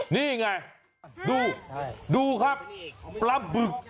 นี่ไงดูดูครับปลาบึก